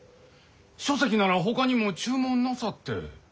書籍ならほかにも注文なさって。